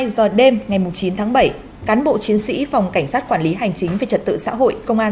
hai mươi hai giờ đêm ngày chín tháng bảy cán bộ chiến sĩ phòng cảnh sát quản lý hành chính về trật tự xã hội